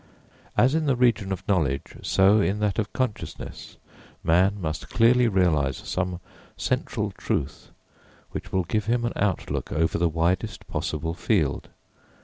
As in the region of knowledge so in that of consciousness, man must clearly realise some central truth which will give him an outlook over the widest possible field.